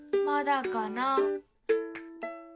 まだかな？